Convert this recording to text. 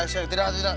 baik saya tidak tidak